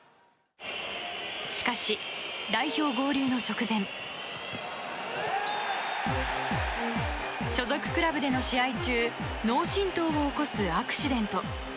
しかし、代表合流の直前所属クラブでの試合中脳震とうを起こすアクシデント。